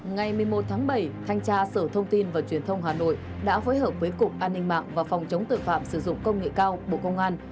ngày một mươi một tháng bảy thanh tra sở thông tin và truyền thông hà nội đã phối hợp với cục an ninh mạng và phòng chống tội phạm sử dụng công nghệ cao bộ công an